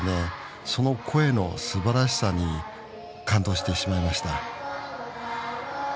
その声のすばらしさに感動してしまいました。